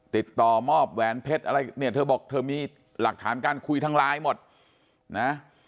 ติดต่อมอบแหวนเพชรอะไรเนี่ยเธอบอกเธอมีหลักฐานการคุยทางไลน์หมดนะ